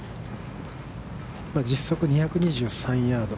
実測２２３ヤード。